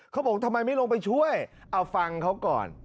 เขาบอกทำไมไม่ลงไปช่วยเอาฟังเขาก่อน